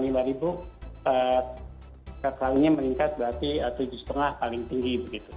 setengah kali meningkat berarti tujuh lima ratus paling tinggi